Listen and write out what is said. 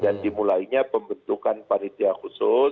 dimulainya pembentukan panitia khusus